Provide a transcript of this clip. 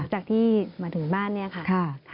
จากที่มาถึงบ้านเนี่ยค่ะ